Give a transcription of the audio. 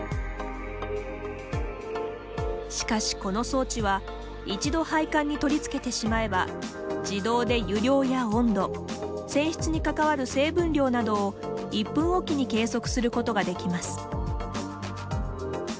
しかしこの装置は一度配管に取り付けてしまえば自動で湯量や温度泉質に関わる成分量などを１分置きに計測することができます。